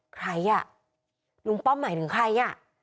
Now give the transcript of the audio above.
ใครอ่ะลุงป้อมหมายถึงใครอ่ะ